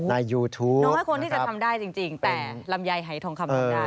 น้องให้คนที่จะทำได้จริงแต่ลำไยไฮทองคำนำได้